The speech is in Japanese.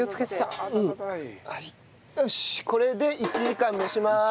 これで１時間蒸します。